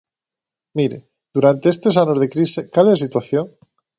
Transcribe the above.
Mire, durante estes anos de crise, ¿cal é a situación?